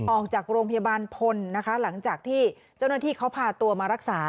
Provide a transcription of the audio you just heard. ออกจากโรงพยาบาลพลนะคะหลังจากที่เจ้าหน้าที่เขาพาตัวมารักษา